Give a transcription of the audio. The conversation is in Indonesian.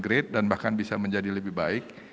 grade dan bahkan bisa menjadi lebih baik